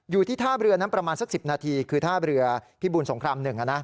อยู่ที่ท่าเรือนั้นประมาณสัก๑๐นาทีคือท่าเรือพิบูรสงคราม๑